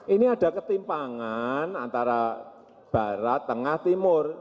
ini ada ketimpangan antara barat tengah timur